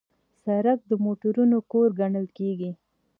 سړک د موټرونو کور ګڼل کېږي.